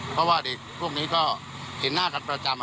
เพราะว่าเด็กพวกนี้ก็เห็นหน้ากันประจำ